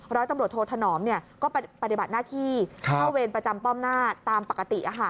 ร้อยตำรวจโทษธนอมก็ปฏิบัติหน้าที่เข้าเวรประจำป้อมหน้าตามปกติ